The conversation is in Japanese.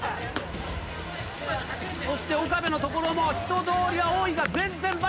そして岡部のところも人通りは多いが。